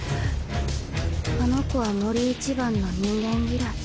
あの子は森一番の人間嫌い。